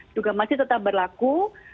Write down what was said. juga masih tetap berlaku